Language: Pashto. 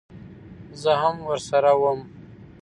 زه هم ورسره وم.